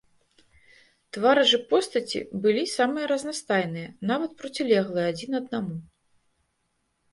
Твары ж і постаці былі самыя разнастайныя, нават процілеглыя адзін аднаму.